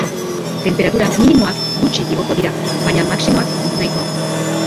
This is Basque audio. Tenperatura minimoak gutxi igoko dira, baina maximoak nahikoa.